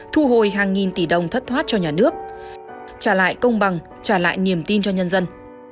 thu hồi hàng nghìn tỷ đồng thất thoát cho nhà nước trả lại công bằng trả lại niềm tin cho nhân dân